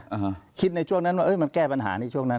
คิดตลอดในช่วงนั้นว่ามันแก้ปัญหา